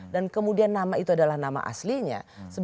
dan kemudian nama itu adalah nama aslinya